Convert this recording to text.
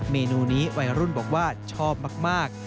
เมนูนี้วัยรุ่นบอกว่าชอบมาก